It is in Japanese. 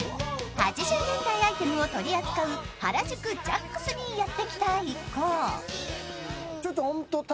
８０年代アイテムを取り扱う原宿Ｊａｃｋ’ｓにやってきた一行。